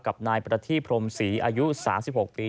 กับนายประธิพรมศรีอายุสามสิบหกปี